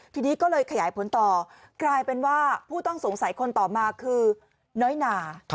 ทีนี้ก็เลยขยายผลต่อกลายเป็นว่าผู้ต้องสงสัยคนต่อมาคือน้อยหนา